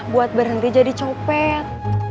buat berhenti jadi copet